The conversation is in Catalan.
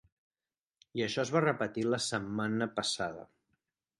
I això es va repetir la setmana passada.